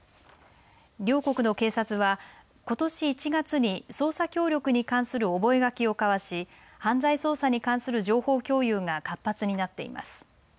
両国の警察はことし１月に捜査協力に関する覚書を交わし犯罪捜査に関する情報共有が活発になっています。